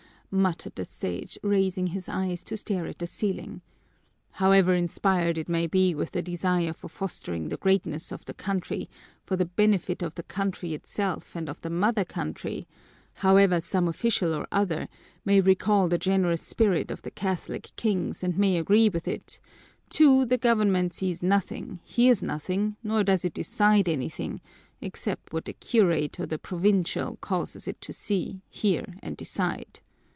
muttered the Sage, raising his eyes to stare at the ceiling. "However inspired it may be with the desire for fostering the greatness of the country for the benefit of the country itself and of the mother country, however some official or other may recall the generous spirit of the Catholic Kings and may agree with it, too, the government sees nothing, hears nothing, nor does it decide anything, except what the curate or the Provincial causes it to see, hear, and decide.